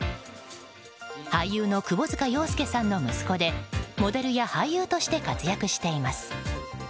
俳優の窪塚洋介さんの息子でモデルや俳優として活躍しています。